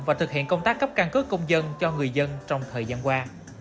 và thực hiện công tác cấp căn cước công dân cho người dân trong thời gian qua